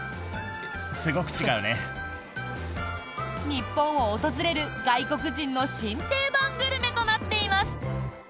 日本を訪れる外国人の新定番グルメとなっています。